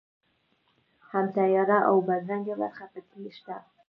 هم تیاره او بدرنګه برخې په کې شته.